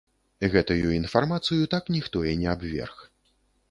Гэтую інфармацыю так ніхто і не абверг.